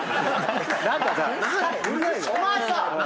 何かさ。